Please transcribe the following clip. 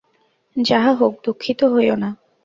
যাহা হউক, দুঃখিত হইও না।